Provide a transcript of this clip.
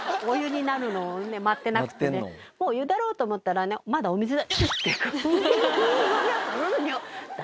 お湯になるのをね待てなくてねもうお湯だろうと思ったらねまだお水で。